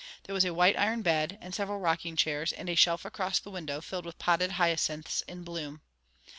There was a white iron bed, and several rocking chairs, and a shelf across the window filled with potted hyacinths in bloom.